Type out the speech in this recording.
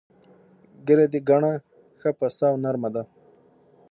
ږیره دې ګڼه، ښه پسته او نر مه ده.